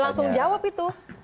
udah langsung jawab itu